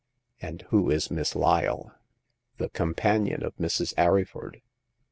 '' And who is Miss Lyle ?"The companion of Mrs. Arryford.